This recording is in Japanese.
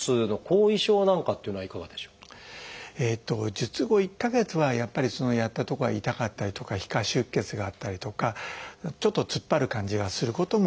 術後１か月はやっぱりやったとこが痛かったりとか皮下出血があったりとかちょっとつっぱる感じがすることもあります。